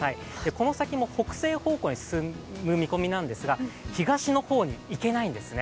この先も北西方向に進む見込みなんですが東の方に行けないんですね。